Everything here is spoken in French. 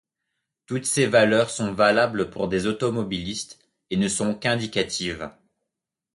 Toutes ces valeurs sont valables pour des automobilistes et ne sont qu'indicatives.